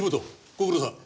ご苦労さん。